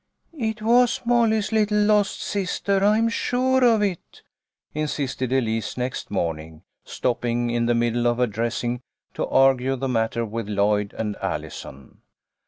" IT was Molly's little lost sister, I'm sure of it !" insisted Elise next morning, stopping in the middle of her dressing to argue the matter with Lloyd and Allison.